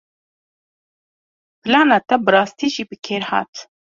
Plana te bi rastî jî bi kêr hat.